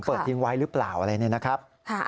ทิ้งไว้หรือเปล่าอะไรเนี่ยนะครับ